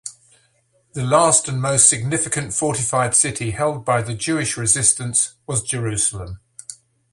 The last and most significant fortified city held by the Jewish resistance was Jerusalem.